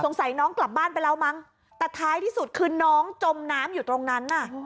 น้องกลับบ้านไปแล้วมั้งแต่ท้ายที่สุดคือน้องจมน้ำอยู่ตรงนั้นน่ะ